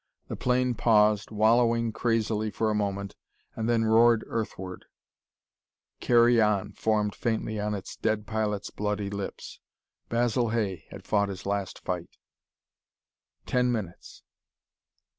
The plane paused, wallowed crazily for a moment, and then roared earthward, "Carry on!" formed faintly on its dead pilot's bloody lips. Basil Hay had fought his last fight. Ten minutes....